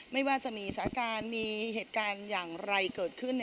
ไม่ว่าจะมีสถานการณ์มีเหตุการณ์อย่างไรเกิดขึ้น